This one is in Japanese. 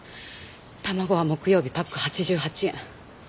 卵は木曜日パック８８円。